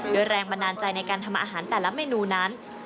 โดยแรงบันดาลใจในการทำอาหารแต่ละเมนูนั้น